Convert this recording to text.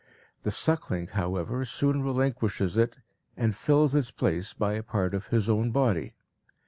The suckling, however, soon relinquishes it and fills its place by a part of his own body.